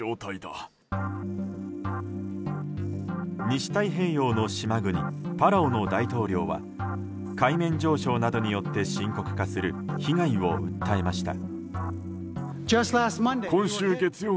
西太平洋の島国パラオの大統領は海面上昇などによって深刻化する被害を訴えました。